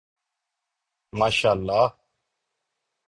ماشااللہ۔